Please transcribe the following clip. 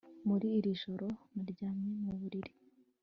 muri iryo joro naryamye mu buriri